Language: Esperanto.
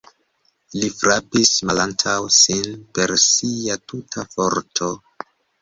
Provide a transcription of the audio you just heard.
Li frapis malantaŭ sin per sia tuta forto.